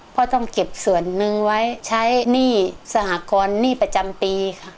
ต้องเก็บส่วนหนึ่งไว้ใช้หนี้สหกรณ์หนี้ประจำปีค่ะ